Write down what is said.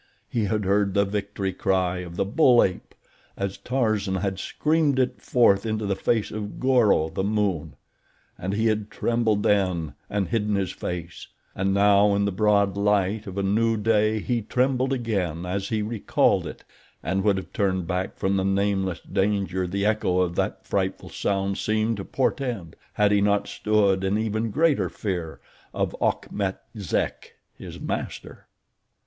He had heard the victory cry of the bull ape as Tarzan had screamed it forth into the face of Goro, the moon, and he had trembled then and hidden his face; and now in the broad light of a new day he trembled again as he recalled it, and would have turned back from the nameless danger the echo of that frightful sound seemed to portend, had he not stood in even greater fear of Achmet Zek, his master.